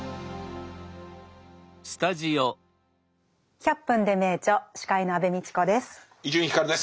「１００分ｄｅ名著」司会の安部みちこです。